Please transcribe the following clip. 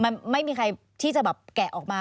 มันไม่มีใครที่จะแบบแกะออกมา